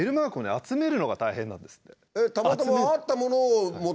集めるのが大変なんですって。